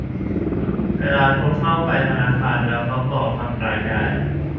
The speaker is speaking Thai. เวลาโทรเข้าไปธนาคารแล้วเขาบอก "ทำรายการ"